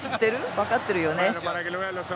分かってるよね？